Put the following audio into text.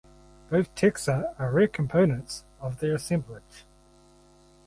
Both taxa are rare components of the assemblage.